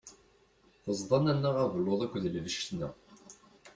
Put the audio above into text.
Teẓda nanna abelluḍ akked d lbecna.